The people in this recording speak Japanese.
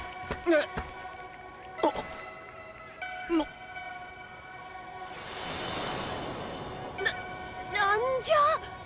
なっ何じゃ？